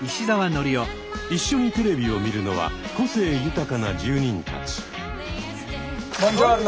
一緒にテレビを見るのは個性豊かな住人たち。